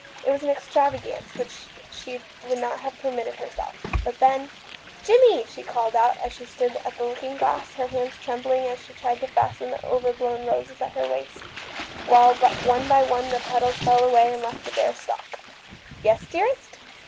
It was an extravagance which she would not have permitted herself, but then " Jimmie !" she called out, as she stood at the looking glass, her hands trembling as she tried to fasten the over blown roses at her waist, while one by one the petals fell away and left a bare stalk. " Yes, dearest."